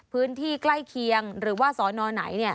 พื้นที่ใกล้เคียงหรือว่าสอนอไหน